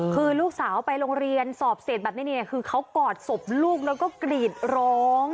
คือลูกสาวไปโรงเรียนสอบเสร็จแบบนี้เนี่ยคือเขากอดศพลูกแล้วก็กรีดร้อง